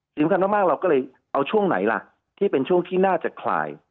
สำคัญมากเราก็เลยเอาช่วงไหนล่ะที่เป็นช่วงที่น่าจะคลาย